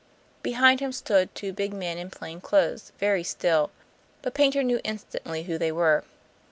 Behind him stood two big men in plain clothes, very still; but Paynter knew instantly who they were.